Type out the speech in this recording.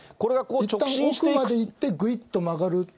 いったん奥まで行って、ぐいっと曲がると。